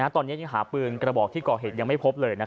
ตอนนี้ยังหาปืนกระบอกที่ก่อเหตุยังไม่พบเลย